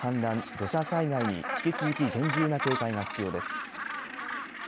土砂災害に引き続き厳重な警戒が必要です。